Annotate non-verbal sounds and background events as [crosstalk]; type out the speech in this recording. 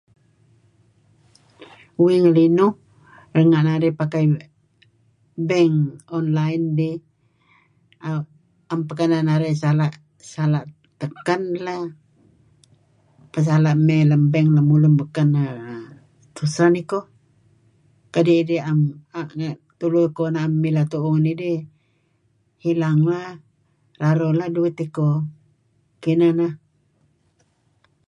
Uih ngelinuh renga' narih pakai bank online dih am am pekenah narih sala' sala' tekan lah pesala' mey lem bank lemulun beken [er er] tusah nikoh kadi' idih am [unintelligible] tulu iko na'em milah tu'uh ngan idih hilang lah raruh lah duit iko. Kinah neh.